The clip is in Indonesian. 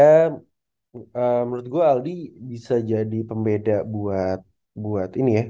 karena menurut gue aldi bisa jadi pembeda buat ini ya